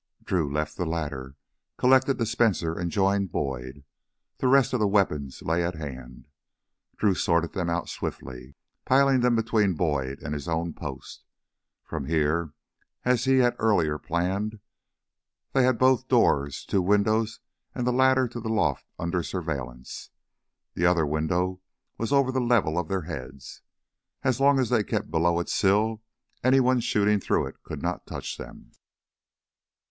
Drew left the ladder, collected the Spencer, and joined Boyd. The rest of the weapons lay at hand, and Drew sorted them out swiftly, piling them between Boyd and his own post. From here, as he had earlier planned, they had both doors, two windows, and the ladder to the loft under surveillance. The other window was over the level of their heads. As long as they kept below its sill, anyone shooting through it could not touch them.